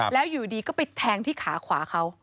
แล้วอยู่ดีก็ไปแทงที่ขาขวาเขา